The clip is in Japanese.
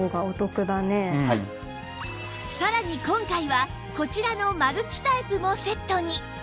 さらに今回はこちらのマルチタイプもセットに！